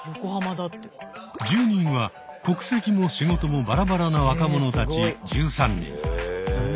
住人は国籍も仕事もバラバラな若者たち１３人。